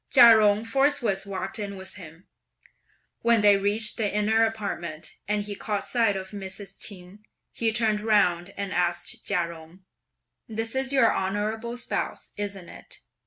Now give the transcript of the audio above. Chia Jung forthwith walked in with him. When they reached the inner apartment, and he caught sight of Mrs. Ch'in, he turned round and asked Chia Jung, "This is your honourable spouse, isn't it?"